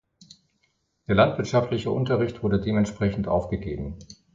Der landwirtschaftliche Unterricht wurde dementsprechend aufgegeben.